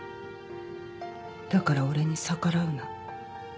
だから俺に逆らうな。